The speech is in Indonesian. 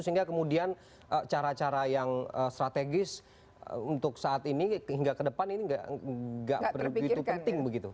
sehingga kemudian cara cara yang strategis untuk saat ini hingga ke depan ini nggak begitu penting begitu